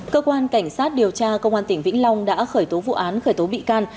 cơ quan cảnh sát điều tra công an tỉnh vĩnh long đã khởi tố vụ án khởi tố bị can